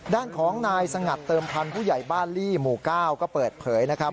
ด้านของนายสงัดเติมพันธ์ผู้ใหญ่บ้านลี่หมู่๙ก็เปิดเผยนะครับ